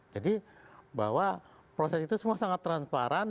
jadi bahwa proses itu semua sangat transparan